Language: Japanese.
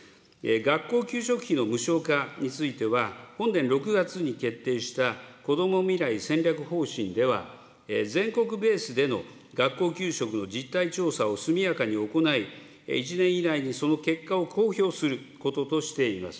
学校給食費の無償化については、本年６月に決定したこども未来戦略方針では、全国ベースでの学校給食の実態調査を速やかに行い、１年以内にその結果を公表することとしています。